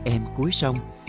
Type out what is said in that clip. em cúi sông